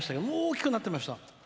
もう大きくなってました。